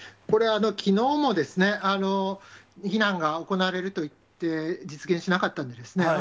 これ、きのうも、避難が行われると言って、実現しなかったんですね。